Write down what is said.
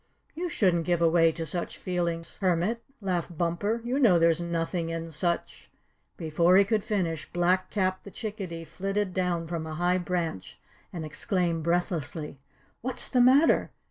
"You shouldn't give away to such feelings, Hermit," laughed Bumper. "You know there's nothing in such " Before he could finish, Black Cap the Chickadee flitted down from a high branch, and exclaimed breathlessly: "What's the matter!